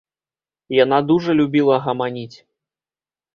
Яна дужа любіла гаманіць.